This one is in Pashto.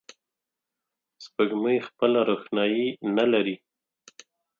سپوږمۍ خپله روښنایي نه لري